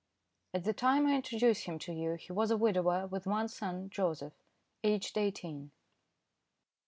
At the time I introduce him to you he was a widower with one son, Joseph, aged eighteen.